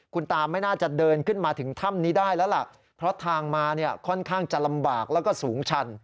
คุณตาไม่น่าจะเดินขึ้นมาถึงถ้ำนี้ได้แล้วล่ะเพราะทางมาเนี่ยค่อนข้างจะลำบากแล้วก็สูงชัน